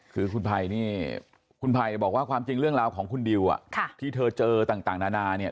คือคุณภัยนี่คุณภัยบอกว่าความจริงเรื่องราวของคุณดิวที่เธอเจอต่างนานาเนี่ย